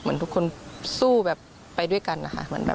เหมือนทุกคนสู้ไปด้วยกัน